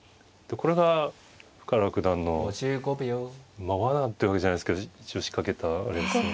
これが深浦九段のわなってわけじゃないですけど仕掛けたあれですよね。